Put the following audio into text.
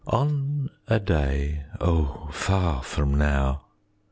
On a day (Oh, far from now!)